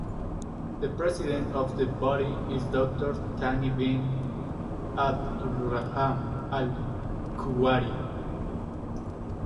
The president of the body is Doctor Thani bin Abdulrahman Al Kuwari.